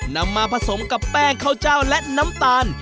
นำมาผสมกับแป้งข้าวเจ้าและน้ำตาล